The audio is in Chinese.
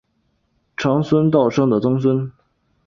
长孙道生的曾孙。